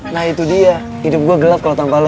nah itu dia hidup gue gelap kalo tanpa lo